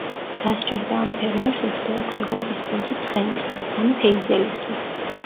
დასჭირდა ამ ფერმერს ოცდაექვსი ღობის ბოძი ცხენისთვის, ანუ ჰეიზელისთვის.